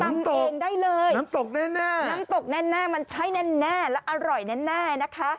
น้ำตกแน่น้ำตกแน่มันใช้แน่และอร่อยแน่นะคะ